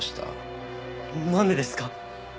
なんでですか？